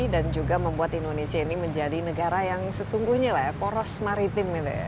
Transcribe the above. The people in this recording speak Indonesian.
dan juga membuat indonesia ini menjadi negara yang sesungguhnya lah ya poros maritim